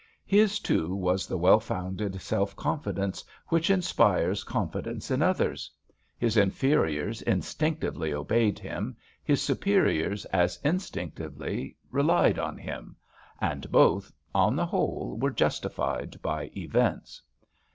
His, too, was the well founded self confidence which inspires confidence in others. His inferiors instinctively obeyed him, his superiors as instinctively relied on him, and both, on the whole, were justified by events.